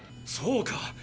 そうか！